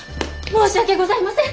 申し訳ございません。